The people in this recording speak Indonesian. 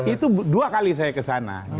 itu dua kali saya kesana